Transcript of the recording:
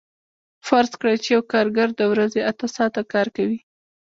فرض کړئ چې یو کارګر د ورځې اته ساعته کار کوي